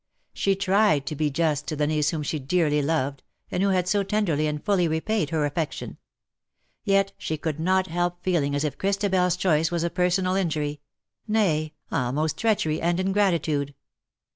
She tried to be just to the niece whom she dearly loved, and who had so tenderly and fully repaid her affection. Yet she could not help feeling as if ChristabeFs choice was a personal injury — nay, almost treachery and ingratitude.